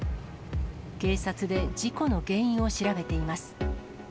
警察で事故の原因を調べています。